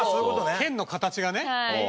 県の形がね。